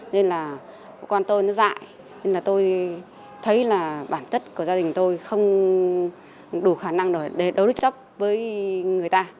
nên là cơ quan tôi nó dại nên là tôi thấy là bản chất của gia đình tôi không đủ khả năng để đối chấp với người ta